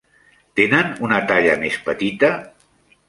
Tenen una talla més petita?